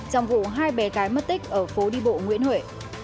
hai bé gái mất tích ở phố đi bộ nguyễn huệ